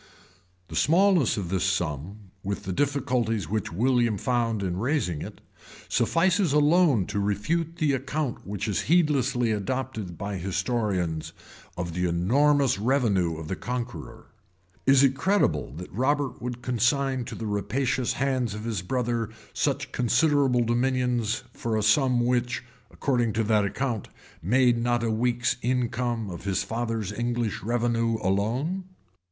The smallness of this sum, with the difficulties which William found in raising it, suffices alone to refute the account which is heedlessly adopted by historians, of the enormous revenue of the Conqueror. Is it credible that Robert would consign to the rapacious hands of his brother such considerable dominions, for a sum which, according to that account, made not a week's income of his father's English revenue alone?